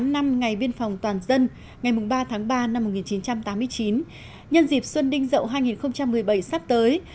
một mươi năm năm ngày biên phòng toàn dân ngày ba tháng ba năm một nghìn chín trăm tám mươi chín nhân dịp xuân đinh dậu hai nghìn một mươi bảy sắp tới